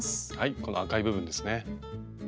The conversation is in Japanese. この赤い部分ですね。